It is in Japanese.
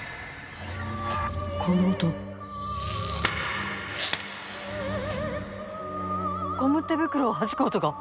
この音ゴム手袋をはじく音が。